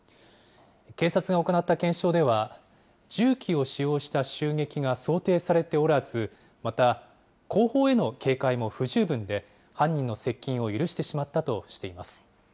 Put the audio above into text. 警察が行った検証では、銃器を使用した襲撃が想定されておらず、また後方への警戒も不十分で、犯人の接近を許してしまったとしています。